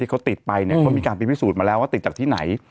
เขาติดไปเนี่ยก็มีการไปพิสูจน์มาแล้วว่าติดจากที่ไหน